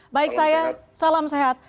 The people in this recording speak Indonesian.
baik saya salam sehat